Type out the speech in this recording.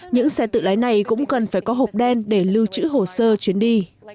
những xe tự lái này cũng cần phải có hộp đen để lưu trữ hồ sơ chuyến đi